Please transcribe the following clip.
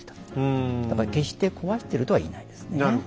だから決して壊してるとは言えないですね。